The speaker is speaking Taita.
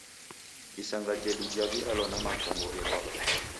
Isanga jedu jaw'ialwa na makongo ghebwagha.